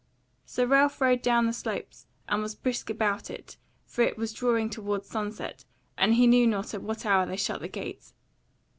So Ralph rode down the slopes and was brisk about it, for it was drawing toward sunset, and he knew not at what hour they shut their gates.